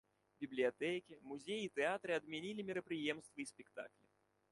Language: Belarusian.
Бібліятэкі, музеі і тэатры адмянілі мерапрыемствы і спектаклі.